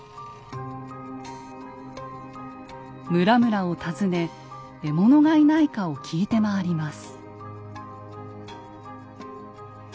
村々を訪ね獲物がいないかを聞いて回ります。